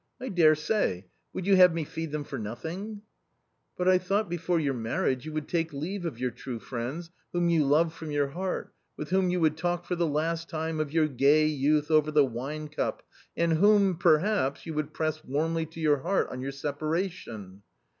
I dare say ! Would you have me feed them for nothing ?" "But I thought before your marriage you would take leave of your true friends, whom you love from your heart, with whom you would talk for the last time of your gay youth over the wine cup, and whom, perhaps, you would press warmly to your heart on your separation."